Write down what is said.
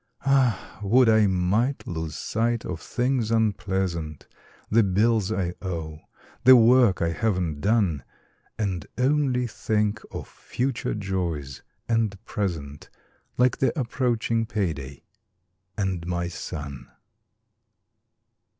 Ah, would I might lose sight of things unpleasant: The bills I owe; the work I haven't done. And only think of future joys and present, Like the approaching payday, and my son.